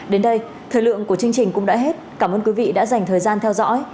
đến đây thời lượng của chương trình cũng đã hết cảm ơn quý vị đã dành thời gian theo dõi